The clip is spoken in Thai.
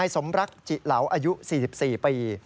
สมรักจิเหลาอายุ๔๔ปี